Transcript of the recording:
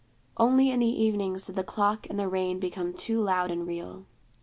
Only in the evenings did the clock and the rain become too loud and real.